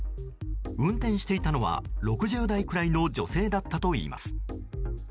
運転していたのは６０代くらいの女性だったといいます。